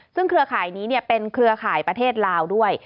ซึ่งเครือข่ายนี้เป็นเครือข่ายประเทศลาวด้วย